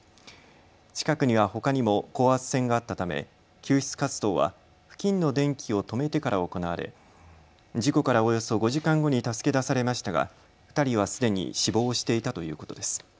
近くには、ほかにも高圧線があったため、救出活動は付近の電気を止めてから行われ事故からおよそ５時間後に助け出されましたが２人はすでに死亡していたということです。